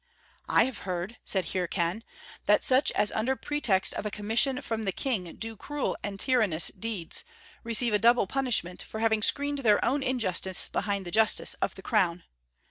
"I have heard," said Hircan, "that such as under pretext of a commission from the King do cruel and tyrannous deeds, receive a double punishment for having screened their own injustice behind the justice of the Crown.